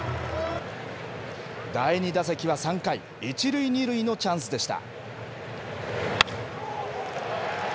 第２打席は３回、１塁２塁のチャンスでした。